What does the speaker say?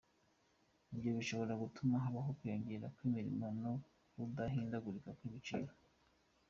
Ibyo bishobora gutuma habaho kwiyongera kw’imirimo no kudahindagurika kw’ibiciro.